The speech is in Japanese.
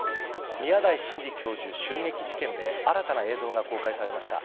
宮台真司教授襲撃事件で新たな映像が公開されました。